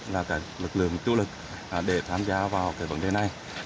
lực lượng trụ lực để tham gia vào vấn đề này